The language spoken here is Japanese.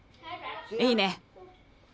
いいね。